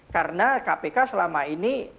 karena kpk selama ini